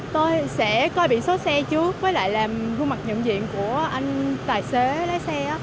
tôi sẽ coi biển số xe trước với lại là gương mặt nhận diện của anh tài xế lái xe